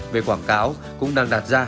về quảng cáo cũng đang đặt ra